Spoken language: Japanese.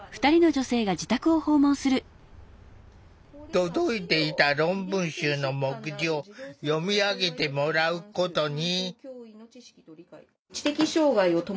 届いていた論文集の目次を読み上げてもらうことに。